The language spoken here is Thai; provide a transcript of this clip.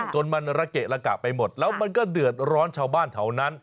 จนมันระเกะระกะไปหมดแล้วมันก็เดือดร้อนชาวบ้านแถวนั้น